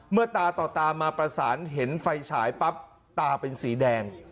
ตาต่อตามาประสานเห็นไฟฉายปั๊บตาเป็นสีแดง